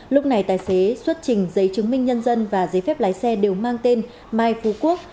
lúc này tài xế xuất trình giấy chứng minh nhân dân và giấy phép lái xe đều mang tên mai phú quốc